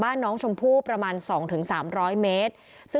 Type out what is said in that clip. แม่น้องชมพู่แม่น้องชมพู่